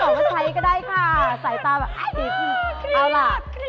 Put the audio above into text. ตอบว่าใช้ก็ได้ค่ะใส่ตาแบบอ้าวคลีก